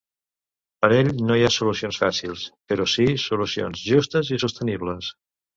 Per ell, ‘no hi ha solucions fàcils’, però sí ‘solucions justes i sostenibles’.